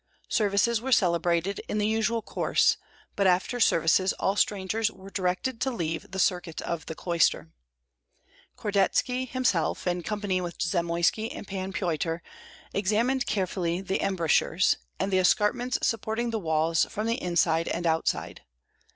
Services were celebrated in the usual course; but after services all strangers were directed to leave the circuit of the cloister. Kordetski himself, in company with Zamoyski and Pan Pyotr, examined carefully the embrasures, and the escarpments supporting the walls from the inside and outside.